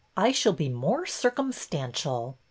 I shall be more circumstantial.